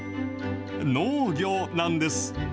農業なんです。